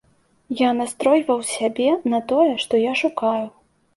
Я настройваў сябе на тое, што я шукаю.